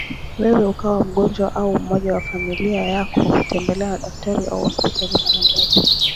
wewe ukawa mgonjwa au mmoja wa familia yako, tembelea daktari au hospitali mara moja.